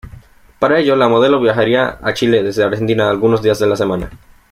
Para ello, la modelo viajaría a Chile desde Argentina algunos días de la semana.